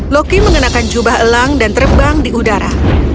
loki mengenakan jubah elang dan terbang di udara